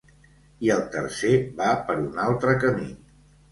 I el tercer va per un altre camí.